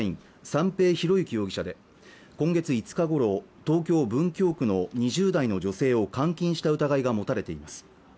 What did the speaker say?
三瓶博幸容疑者で今月５日ごろ東京文京区の２０代の女性を監禁した疑いが持たれています